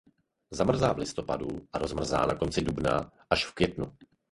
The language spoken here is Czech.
Zamrzá v listopadu a rozmrzá na konci dubna až v květnu.